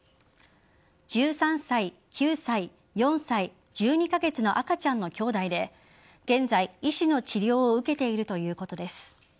１３歳、９歳、４歳１２カ月の赤ちゃんのきょうだいで現在、医師の治療を受けているということです。